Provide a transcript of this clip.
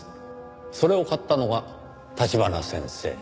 それを買ったのが橘先生。